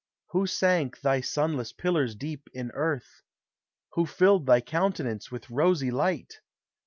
Who sank thy sunless pillars deep in earth? Who filled thy countenance with rosy light?